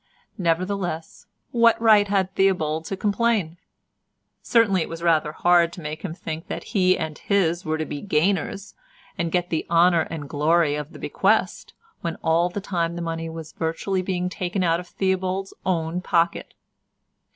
Nevertheless, what right had Theobald to complain? Certainly it was rather hard to make him think that he and his were to be gainers, and get the honour and glory of the bequest, when all the time the money was virtually being taken out of Theobald's own pocket.